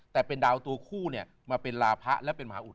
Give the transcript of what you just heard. แต่เป็นดาวตัวคู่มาเป็นราพะและเป็นมหาอุทธิ์